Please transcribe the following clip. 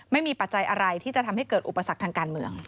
ปัจจัยอะไรที่จะทำให้เกิดอุปสรรคทางการเมือง